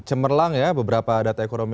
us dan ukraine ini